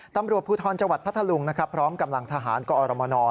ตำรวจภูทรจังหวัดพัทธลุงพร้อมกำลังทหารกออรมนอร์